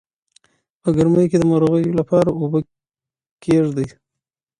په ګرمۍ کې د مرغیو لپاره اوبه کیږدئ.